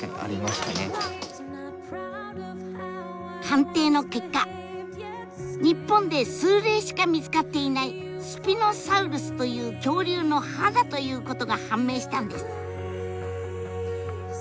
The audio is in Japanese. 鑑定の結果日本で数例しか見つかっていないスピノサウルスという恐竜の歯だということが判明したんです！